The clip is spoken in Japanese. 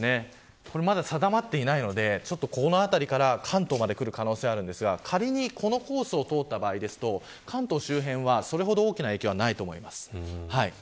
まだ定まっていないのでここの辺りから関東まで来る可能性があるんですが、仮にこのコースを通った場合ですと関東周辺はそれほど大きな影響はないと思います。